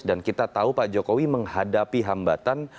dan kita tahu pak jokowi menghadapi hambatan